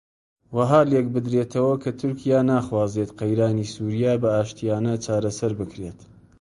وەها لێک بدرێتەوە کە تورکیا ناخوازێت قەیرانی سووریا بە ئاشتییانە چارەسەر بکرێت